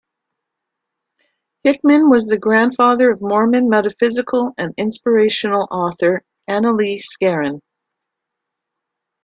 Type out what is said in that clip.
Hickman was the grandfather of Mormon metaphysical and inspirational author Annalee Skarin.